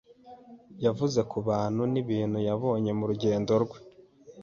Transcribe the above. Yavuze ku bantu n'ibintu yabonye mu rugendo rwe.